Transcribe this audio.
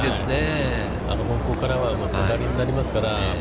あの方向からは下りになりますから。